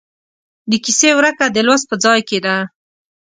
د کیسې ورکه د لوست په ځای کې ده.